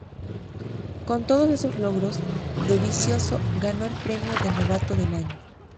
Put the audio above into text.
Con todos esos logros Dovizioso ganó el premio de Novato del Año.